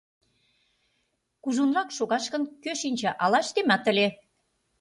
Кужунрак шогаш гын, кӧ шинча, ала ыштемат ыле.